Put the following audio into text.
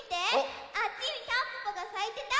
あっちにたんぽぽがさいてた！